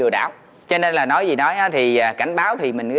đến ngày năm tháng bốn